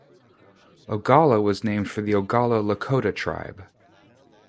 Ogallah was named for the Oglala Lakota tribe.